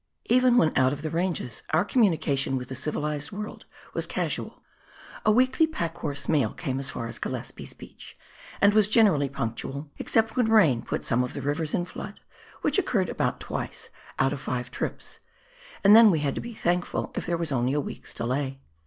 Even when out of the ranges our communication with the civilised world was casual. A weekly pack horse mail came as far as Gillespies Beach, and was generally punctual, except when rain put some of the rivers in flood, which occurred about twice out of five trips, and then we had to be thankful if there was only a week's delay.